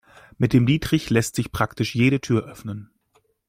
Mit dem Dietrich lässt sich praktisch jede Tür öffnen.